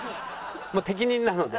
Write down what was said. もう適任なので。